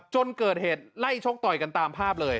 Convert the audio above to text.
จนเกิดเหตุไล่ชกต่อยกันตามภาพเลย